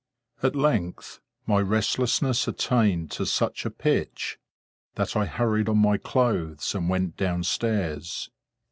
At length, my restlessness attained to such a pitch, that I hurried on my clothes, and went down stairs.